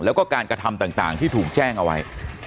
แล้วก็การกระทำต่างที่ถูกแจ้งเอาไว้